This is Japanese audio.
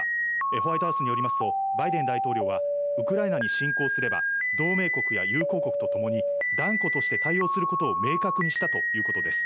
ホワイトハウスによりますとバイデン大統領はウクライナに侵攻すれば、同盟国や友好国とともに断固として対応することを明確にしたということです。